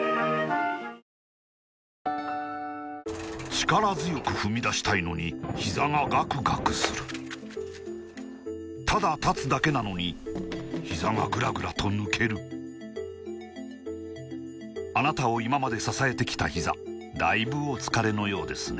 力強く踏み出したいのにひざがガクガクするただ立つだけなのにひざがグラグラと抜けるあなたを今まで支えてきたひざだいぶお疲れのようですね